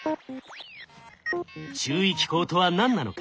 注意機構とは何なのか。